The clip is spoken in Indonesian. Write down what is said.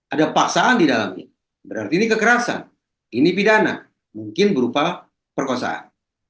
ada paksaan di dalamnya berarti ini kekerasan ini pidana mungkin berupa perkosaan